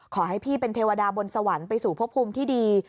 ขอให้พี่เป็นเทวดาบนสวรรค์ไปสู่พบภูมิที่ดี